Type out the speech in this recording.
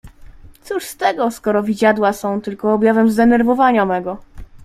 "Cóż z tego, skoro widziadła są tylko objawem zdenerwowania mego."